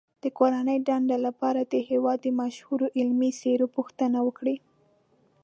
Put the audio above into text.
د کورنۍ دندې لپاره د هېواد د مشهورو علمي څیرو پوښتنه وکړئ.